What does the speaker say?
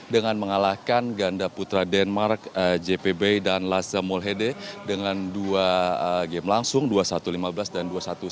dengan mengalahkan ganda putra denmark jpb dan laza molhede dengan dua game langsung dua puluh satu lima belas dan dua puluh satu sembilan belas